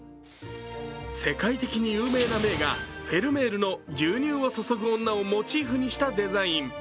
世界的に有名な名画、フェルメールの「牛乳を注ぐ女」をモチーフにしたデザイン。